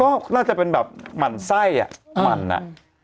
ก็น่าจะเป็นแบบหมั่นไส้อ่ะหมั่นอะ